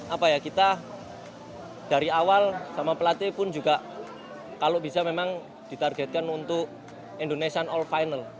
apa ya kita dari awal sama pelatih pun juga kalau bisa memang ditargetkan untuk indonesian all final